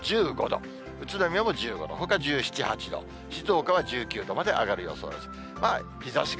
１５度、宇都宮も１５度、ほか１７、８度、静岡は１９度まで上がる予想です。